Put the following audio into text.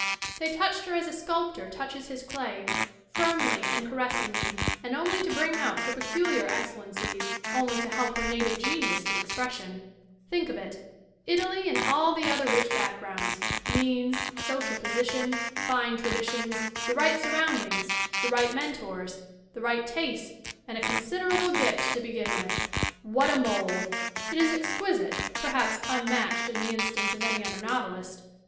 They touched her as a sculptor touches his clay, firmly and caressingly and only to bring out her peculiar excel lences, only to help her native genius to expression. Think of it Italy and all the other rich backgrounds, means, social position, fine traditions, the right sur roundings, the right mentors, the right tastes and a considerable gift to begin with! What a mold! It is exquisite, perhaps unmatched in the instance of any other novelist.